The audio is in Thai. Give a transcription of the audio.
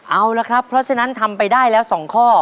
เอาละครับเพราะฉะนั้นทำไปได้แล้ว๒ข้อ